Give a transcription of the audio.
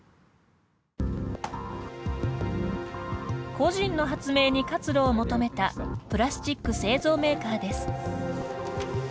個人の発明に活路を求めたプラスチック製造メーカーです。